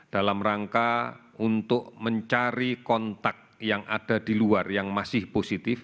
dalam rangka untuk mencari kontak yang ada di luar yang masih positif